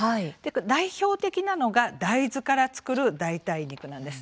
代表的なのが大豆から作る代替肉なんです。